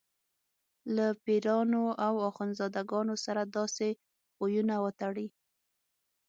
له پیرانو او اخندزاده ګانو سره داسې خویونه وتړي.